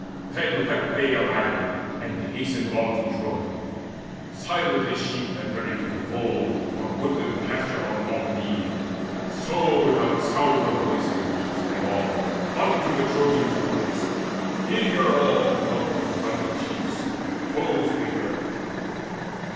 Then leapt they aland, and hasted on to Troy Silent as sheep that hurry to the fold From woodland pasture on an autumn eve; So without sound of voices marched they on Unto the Trojans' fortress, eager all To help those mighty chiefs with foes begirt.